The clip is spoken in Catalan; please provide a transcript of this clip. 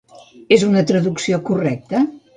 És una traducció correcta?